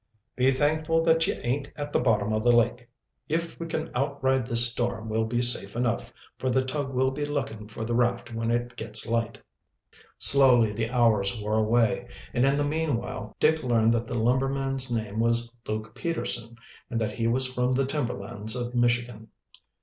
"Be thankful that ye aint at the bottom o' the lake. If we kin outride this storm we'll be safe enough, for the tug will be lookin' for the raft when it gits light." Slowly the hours wore away, and in the meanwhile Dick learned that the lumberman's name was Luke Peterson and that he was from the timberlands of Michigan.